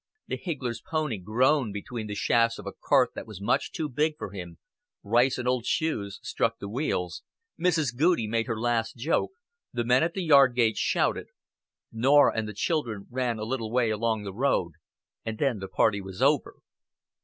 The higgler's pony groaned between the shafts of a cart that was much too big for him; rice and old shoes struck the wheels; Mrs. Goudie made her last joke; the men at the yard gate shouted; Norah and the children ran a little way along the road and then the party was over.